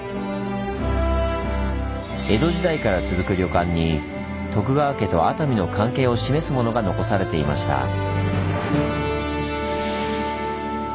江戸時代から続く旅館に徳川家と熱海の関係を示すものが残されていました。